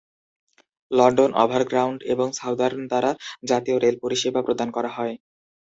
London Overground এবং Southern দ্বারা জাতীয় রেল পরিষেবা প্রদান করা হয়।